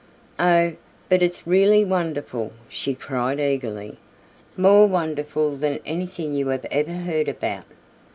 "Oh, but it's really wonderful," she cried eagerly, "more wonderful than anything you have ever heard about."